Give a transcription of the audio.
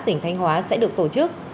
tỉnh thanh hóa sẽ được tổ chức